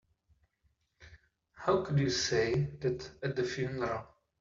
How could you say that at the funeral?